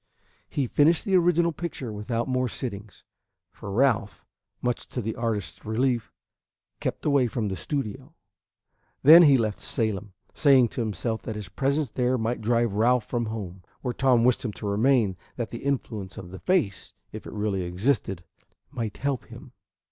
He finished the original picture without more sittings, for Ralph, much to the artist's relief, kept away from the studio. Then he left Salem, saying to himself that his presence there might drive Ralph from home, where Tom wished him to remain, that the influence of the face, if it really existed, might help him.